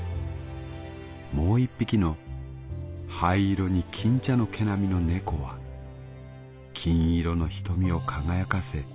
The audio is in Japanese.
もう一匹の灰色に金茶の毛並みの猫は金色の瞳を輝かせ